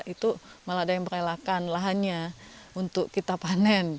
itu malah ada yang merelakan lahannya untuk kita panen